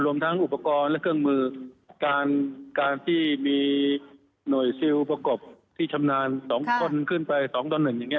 รวมทั้งอุปกรณ์และเครื่องมือการที่มีหน่วยซิลประกบที่ชำนาญ๒คนขึ้นไป๒ต่อ๑อย่างนี้